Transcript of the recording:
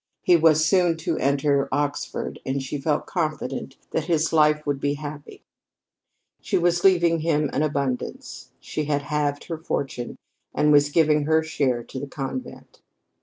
He was soon to enter Oxford, and she felt confident that his life would be happy. She was leaving him an abundance; she had halved her fortune and was giving her share to the convent.